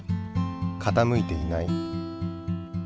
傾いていない。